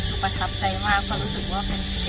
อธิษฐานจริงตั้งแต่ที่เริ่มดีติด